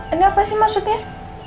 ini apa sih maksudnya